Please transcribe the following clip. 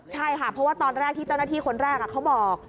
ใช่ค่ะเพราะว่าตอนแรกที่เจ้าหน้าที่คนแรกเขาบอก